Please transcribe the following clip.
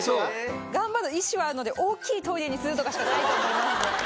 頑張る意思はあるので、大きいトイレにするとかしかないと思います。